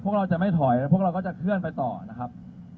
เราจะไม่ถอยพวกเราก็จะเคลื่อนไปต่อนะครับ